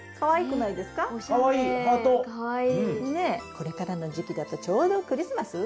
これからの時期だとちょうどクリスマス。